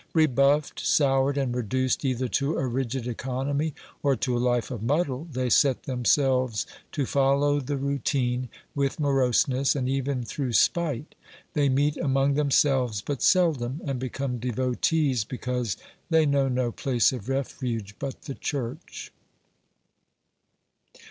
Rebuffed, soured and reduced either to a rigid economy or to a Hfe of muddle, they set themselves to follow the routine with moroseness, and even through spite ; they meet among themselves but seldom, and become devotees because they know no place of refuge but the church.